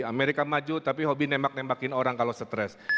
amerika maju tapi hobi nemak nemakin orang kalau stres